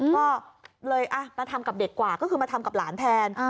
ก็เลยมาทำกับเด็กกว่าก็คือมาทำกับหลานแทน